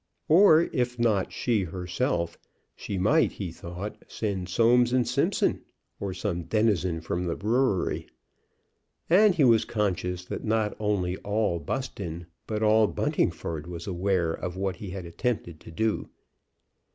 Or if not she herself, she might, he thought, send Soames & Simpson, or some denizen from the brewery. And he was conscious that not only all Buston, but all Buntingford was aware of what he had attempted to do.